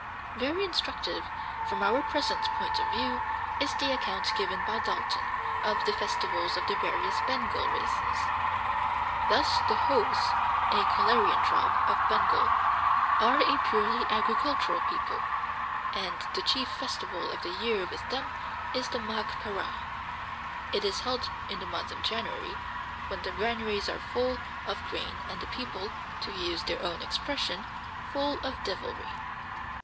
Very instructive, from our present point of view, is the account given by Dalton, of the festivals of the various Bengal races. Thus the Hos (a Kolarian tribe), of Bengal, are a purely agricultural people, and the chief festival of the year with them is the mágh parah. It is held in the month of January, "when the granaries are full of grain, and the people, to use their own expression, full of devilry."